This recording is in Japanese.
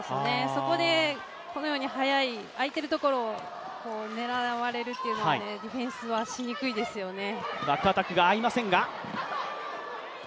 そこでこのように速い、あいているところを狙われるというのは、ディフェンスはしにくいですよね。